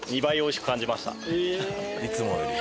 いつもより。